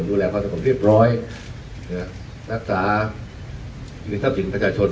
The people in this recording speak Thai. ดูแลความสะกดเรียบร้อยศักดิ์ศาสตร์หรือท่าวสิงห์ประชาชน